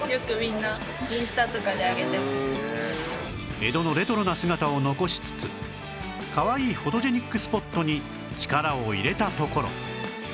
江戸のレトロな姿を残しつつかわいいフォトジェニックスポットに力を入れたところ